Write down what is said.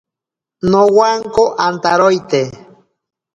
Nowanko antaroite.